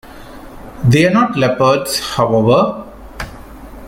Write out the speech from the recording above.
They are not leopards, however.